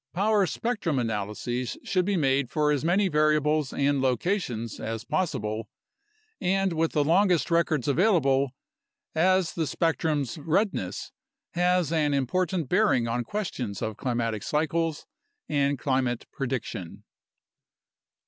Power spectrum analyses should be made for as many variables and locations as possible, and with the longest records available, as the spectrum's "redness" has an important bearing on questions of climatic cycles and climate prediction.